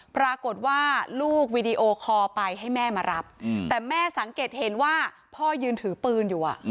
ปรากฏว่าลูกวีดีโอคอลไปให้แม่มารับแต่แม่สังเกตเห็นว่าพ่อยืนถือปืนอยู่